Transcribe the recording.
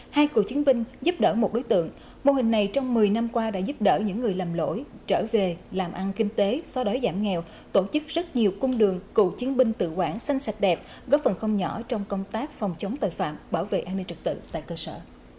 hai cựu chiến binh giúp đỡ một đối tượng mô hình này trong một mươi năm qua đã giúp đỡ những người lầm lỗi trở về làm ăn kinh tế xóa đói giảm nghèo tổ chức rất nhiều cung đường cựu chiến binh tự quản xanh sạch đẹp góp phần không nhỏ trong công tác phòng chống tội phạm bảo vệ an ninh trật tự tại cơ sở